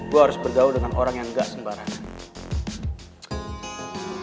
gue harus bergaul dengan orang yang gak sembarangan